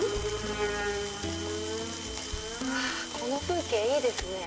うわこの風景いいですね。